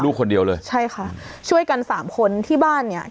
คนเดียวเลยใช่ค่ะช่วยกันสามคนที่บ้านเนี้ย